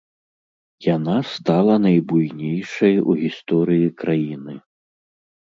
Яна стала найбуйнейшай у гісторыі краіны.